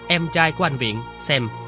em trai của anh viện xem